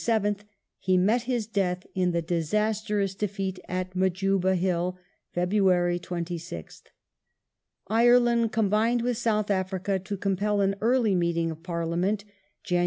7th) he met his death in the disastrous defeat at Majuba Hill (Feb. 26th). Ireland combined with South Africa to compel an early meeting of Parliament (Jan.